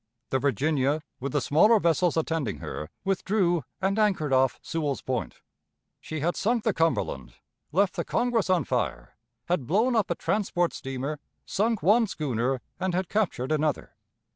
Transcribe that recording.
The Virginia, with the smaller vessels attending her, withdrew and anchored off Sewell's Point. She had sunk the Cumberland, left the Congress on fire, had blown up a transport steamer, sunk one schooner, and had captured another.